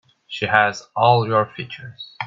She has all your features.